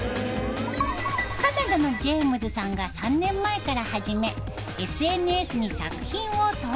カナダのジェームズさんが３年前から始めＳＮＳに作品を投稿。